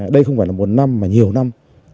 đây không phải là một năm mà nhiều năm